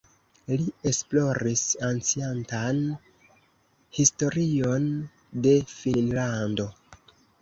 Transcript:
Li esploris anciantan historion de Finnlando.